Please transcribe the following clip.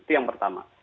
itu yang pertama